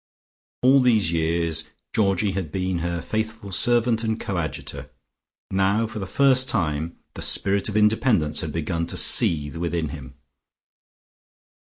All these years Georgie had been her faithful servant and coadjutor; now for the first time the spirit of independence had begun to seethe within him.